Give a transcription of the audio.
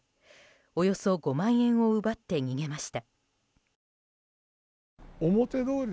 およそ５万円を奪って逃げました。